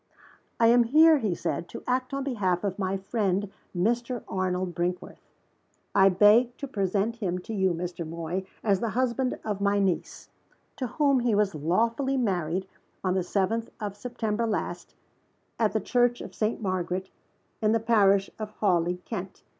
"I am here," he said, "to act on behalf of my friend, Mr. Arnold Brinkworth. I beg to present him to you, Mr. Moy as the husband of my niece to whom he was lawfully married on the seventh of September last, at the Church of Saint Margaret, in the parish of Hawley, Kent.